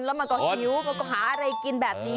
แล้วมันก็หิวมันก็หาอะไรกินแบบนี้